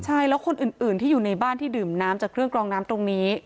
ใช่แล้วคนอื่นที่อยู่ในบ้านที่ดื่มน้ำจากเครื่องกรองน้ำตรงนี้